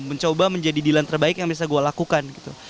mencoba menjadi dilan terbaik yang bisa gue lakukan gitu